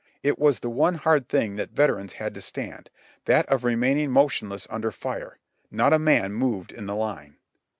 It was the one hard thing that veterans had to stand, that of re maining motionless under fire ; not a man moved in the line.